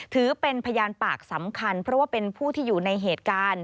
ถือเป็นพยานปากสำคัญเพราะว่าเป็นผู้ที่อยู่ในเหตุการณ์